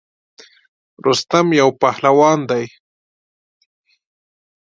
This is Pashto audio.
رستم یو پهلوان دی.